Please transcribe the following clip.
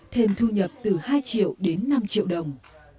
thêm thu nhập từ hai triệu đến năm triệu đồng